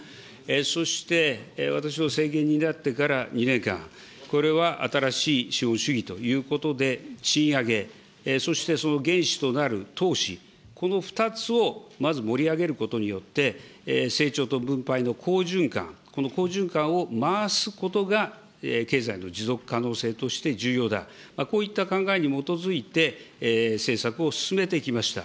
そして私の政権になってから２年間、これは新しい資本主義ということで、賃上げ、そしてその原資となる投資、この２つをまず盛り上げることによって、成長と分配の好循環、この好循環を回すことが経済の持続可能性として重要だ、こういった考えに基づいて、政策を進めてきました。